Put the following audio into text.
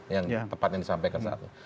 yang tepat yang disampaikan saat itu